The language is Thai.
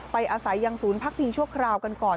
อาศัยยังศูนย์พักพิงชั่วคราวกันก่อน